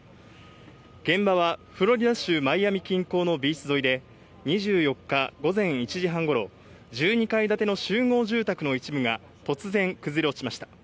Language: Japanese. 現場はフロリダ州マイアミ近郊のビーチ沿いで、２４日午前１時半頃、１２階建ての集合住宅の一部が突然崩れ落ちました。